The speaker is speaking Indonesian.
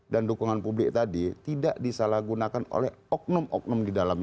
dan dukungan publik tadi tidak disalahgunakan oleh oknum oknum di dalamnya